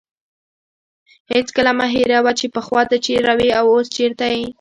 هېڅکله مه هېروه چې پخوا ته چیرته وې او اوس چیرته یې.